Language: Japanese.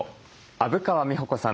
虻川美穂子さんです。